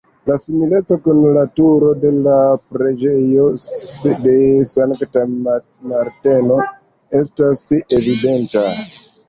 La simileco kun la Turo de la Preĝejo de Sankta Marteno estas evidenta.